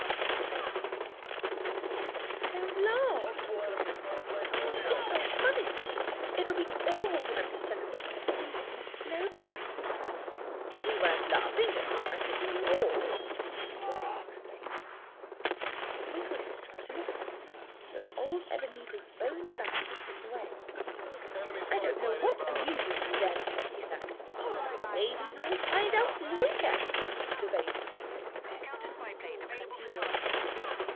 The bays snickered. "Don't laugh!" Twinkleheels begged them. "It's not funny. It would be awful for them to spend the rest of the winter in a snow bank." "We weren't laughing at Bright and Broad," the bays explained. Twinkleheels tried to look at them; but old Ebenezer's bony back was in the way. "I don't know what amuses you, then," he snapped. "Maybe you'll find out later," the bays told him. And he did.